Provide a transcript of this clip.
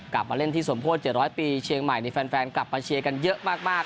กลับมาเล่นที่สมโพธิเจียร้อยปีเชียงใหม่ในแฟนแฟนกลับมาเชียร์กันเยอะมากมาก